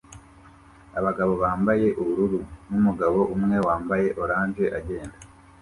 Abagabo bambaye ubururu numugabo umwe wambaye orange agenda